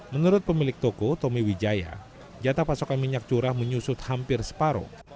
menurut pemilik toko tommy wijaya jatah pasokan minyak curah menyusut hampir separuh